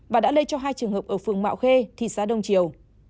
và đã lây cho hai trường hợp ở phường mạo khê thị xã đông triều